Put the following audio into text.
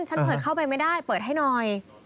ฉันเปิดเข้าไปไม่ได้เปิดให้หน่อย